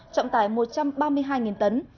trọng tải một trăm ba mươi hai tấn